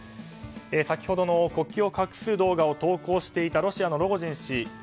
先ほどの国旗を隠す動画を投稿していたロシアのロゴジン氏。